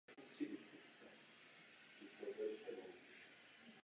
S hokejem začal ve věku osmi let.